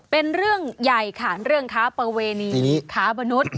เป็นเรื่องใหญ่ค่ะเรื่องค้าประเวณีค้ามนุษย์